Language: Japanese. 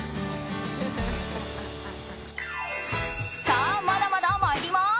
さあ、まだまだ参ります。